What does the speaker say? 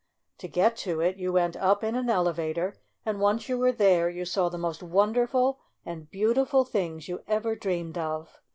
To get to it you went up in an elevator, and, once you were there, you saw the most wonderful and beautiful things you ever dreamed of